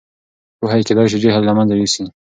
پوهه کېدای سي جهل له منځه یوسي.